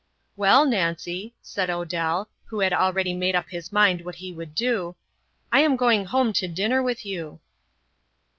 "Well, Nancy," said Odell, who had already made up his mind what he would do, "I am going home to dinner with you."